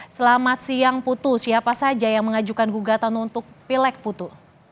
selamat siang putu siapa saja yang mengajukan gugatan untuk pilek putu